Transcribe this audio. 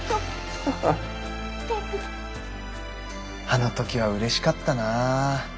あの時はうれしかったな。